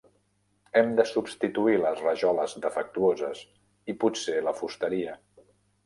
Hem de substituir les rajoles defectuoses, i potser la fusteria.